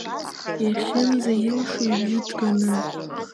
Иахьынӡаилшо ибжьы ҭганы.